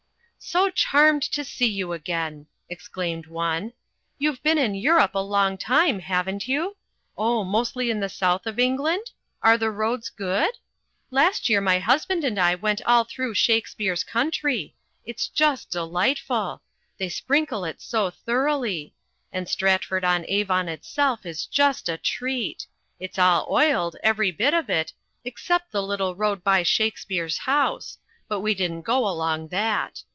"So charmed to see you again," exclaimed one. "You've been in Europe a long time, haven't you? Oh, mostly in the south of England? Are the roads good? Last year my husband and I went all through Shakespeare's country. It's just delightful. They sprinkle it so thoroughly. And Stratford on Avon itself is just a treat. It's all oiled, every bit of it, except the little road by Shakespeare's house; but we didn't go along that.